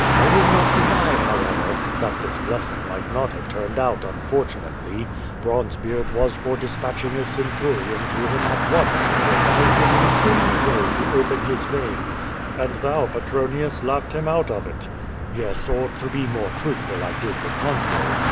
I will not deny, however, that this blessing might not have turned out unfortunately. Bronzebeard was for dispatching a Centurion to him at once to advise him in a friendly way to open his veins." And thou, Petronius, laughed him out of it." 'TTes, or to be more truthful, I did the contrary.